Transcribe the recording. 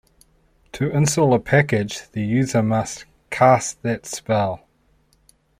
To install a package the user must "cast" that spell.